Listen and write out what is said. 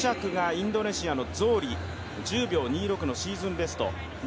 ５着がインドネシアのゾフリ、１０秒２６のシーズンベスト。